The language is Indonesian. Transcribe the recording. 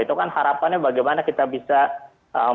itu kan harapannya bagaimana kita bisa meraih suara